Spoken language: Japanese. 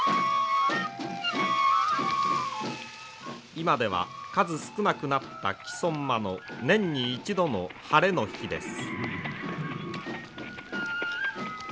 今では数少なくなった木曽馬の年に一度の晴れの日です。